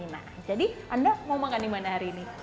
nah jadi anda mau makan dimana hari ini